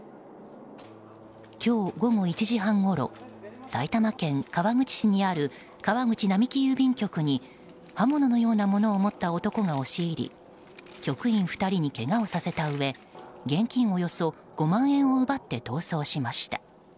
今日午後１時半ごろ埼玉県川口市にある川口並木郵便局に刃物のようなものを持った男が押し入り局員２人にけがをさせたうえ現金およそ５万円を奪って逃走しました。